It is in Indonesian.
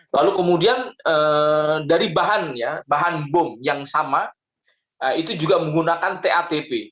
lalu kemudian dari bahan ya bahan bom yang sama itu juga menggunakan tatp